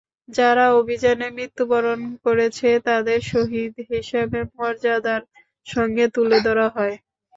যারা অভিযানে মৃত্যুবরণ করেছে, তাদের শহীদ হিসেবে মর্যাদার সঙ্গে তুলে ধরা হয়।